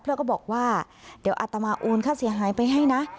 ก็บอกว่าเดี๋ยวอัตมาโอนค่าเสียหายไปให้นะ